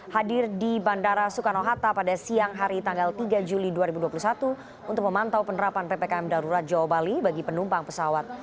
hadir di bandara soekarno hatta pada siang hari tanggal tiga juli dua ribu dua puluh satu untuk memantau penerapan ppkm darurat jawa bali bagi penumpang pesawat